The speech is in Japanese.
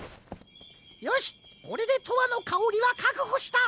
よしこれで「とわのかおり」はかくほした。